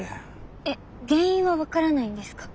えっ原因は分からないんですか？